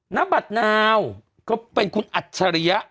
น้ำบัตรนาวเขาเป็นคุณอัชริยะ